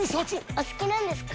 お好きなんですか？